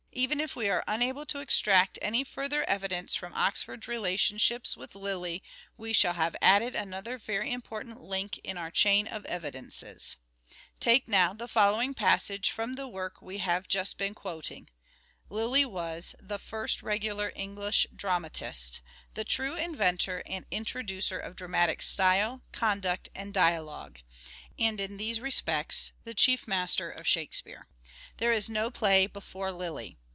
Even if we are unable to extract any further evidence from Oxford's relationships with Lyly we shall have added another very important link in our chain of evidences. Lyly's Take now the following passage from the work we fifve^tive have Just been quoting : Lyly was " the first regular ness« English dramatist, the true inventor and introducer of dramatic style, conduct and dialogue, and in these respects the chief master of Shakespeare. There is MANHOOD OF DE VERE : MIDDLE PERIOD 325 no play before Lyly.